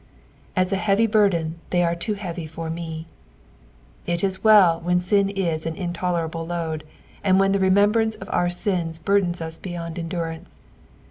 " At an heavy harden they are too heavy for me.'' It >9 well when sin is an intolerable load, and when the remembrance of our sins bur dens us beyond endurance.